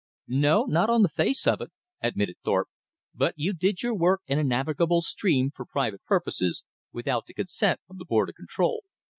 "No, not on the face of it," admitted Thorpe. "But you did your work in a navigable stream for private purposes, without the consent of the Board of Control.